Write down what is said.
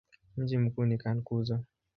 Mji mkuu ni Cankuzo.